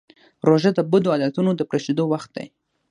روژه د بدو عادتونو د پرېښودو وخت دی.